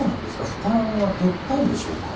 負担は減ったんでしょうか？